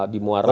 di muara apa